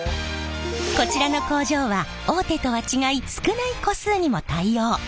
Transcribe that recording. こちらの工場は大手とは違い少ない個数にも対応！